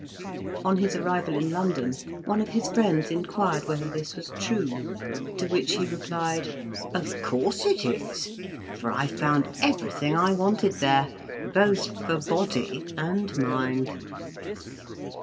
On his arrival in London one of his friends inquired whether this was true, to which he replied, "Of course it is; for I found everything I wanted there, both for body and mind."